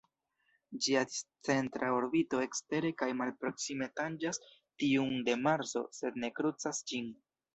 Ĝia discentra orbito ekstere kaj malproksime tanĝas tiun de Marso, sed ne krucas ĝin.